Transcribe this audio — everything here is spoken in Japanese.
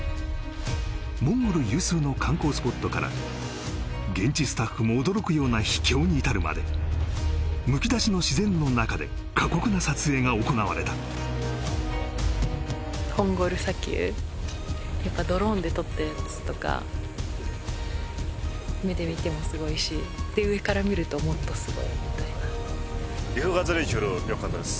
モンゴル有数の観光スポットから現地スタッフも驚くような秘境に至るまでむき出しの自然の中で過酷な撮影が行われたホンゴル砂丘やっぱドローンで撮ったやつとか目で見てもすごいし上から見るともっとすごいみたいなＩｋｈＧａｚｒｉｉｎＣｈｕｌｕｕよかったです